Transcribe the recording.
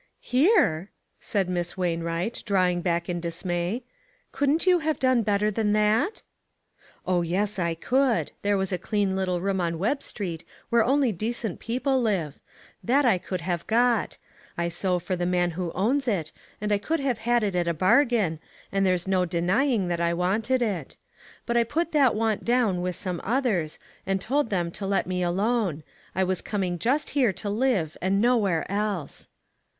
" Here !" said Miss Wainwright, drawing back in dismay; "couldn't you have done better than that?" "Oh, yes, I could. There was a clean little room on Webb Street where only de cent people live ; that I could have got. I sew for the man who owns it, and I could have had it at a bargain, and there's no denying that I wanted it. But I put that want down with some others, and told them to let me alone ; I was coming just here to live and nowhere else."